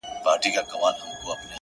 په مخه دي د اور ګلونه،